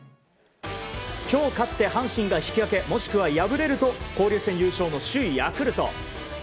今日勝って阪神が引き分けもしくは敗れると交流戦優勝の首位ヤクルト。